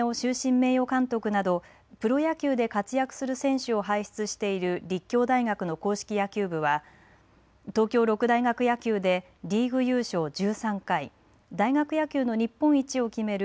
名誉監督などプロ野球で活躍する選手を輩出している立教大学の硬式野球部は東京六大学野球でリーグ優勝１３回、大学野球の日本一を決める